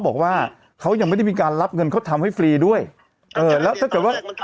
บอกว่าเขายังไม่ได้มีการรับเงินเขาทำให้ฟรีด้วยเออแล้วถ้าเกิดว่า